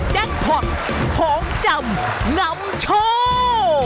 แจกพอร์ตของจำนำโชว์